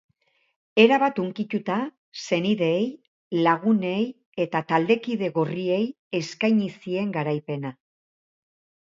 Erabat hunkituta, senideei, lagunei eta taldekide gorriei eskaini zien garaipena.